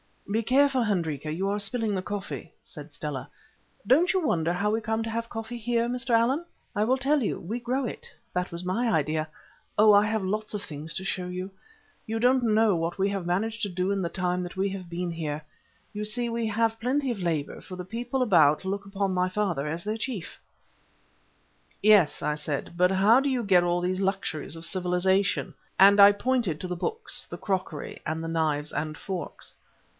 "Be careful, Hendrika; you are spilling the coffee," said Stella. "Don't you wonder how we come to have coffee here, Mr. Allan? I will tell you—we grow it. That was my idea. Oh, I have lots of things to show you. You don't know what we have managed to do in the time that we have been here. You see we have plenty of labour, for the people about look upon my father as their chief." "Yes," I said, "but how do you get all these luxuries of civilization?" and I pointed to the books, the crockery, and the knives and forks.